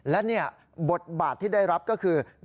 และบทบาทที่ได้รับก็คือ